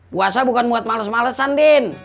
puasa bukan buat males malesan din